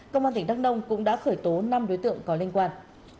công an tỉnh đắk nông cũng đã khởi tố năm đối tượng có liên quan